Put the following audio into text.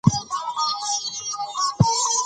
پوهنتونونه باید د پښتو څانګې پراخې کړي.